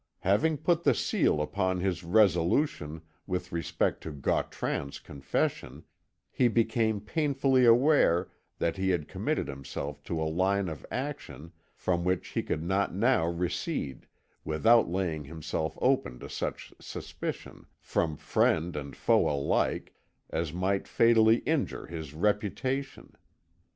Having put the seal upon his resolution with respect to Gautran's confession, he became painfully aware that he had committed himself to a line of action from which he could not now recede without laying himself open to such suspicion, from friend and foe alike, as might fatally injure his reputation.